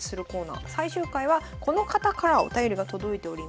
最終回はこの方からお便りが届いております。